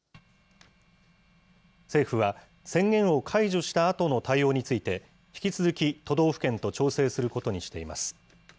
政府は、宣言を解除したあとの対応について、引き続き都道府県と調整することにしています。